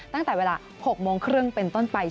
ตั้งแต่เวลา๖โมงครึ่งเป็นต้นไป